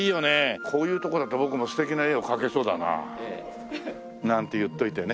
こういうとこだと僕も素敵な絵を描けそうだなあ。なんて言っといてね。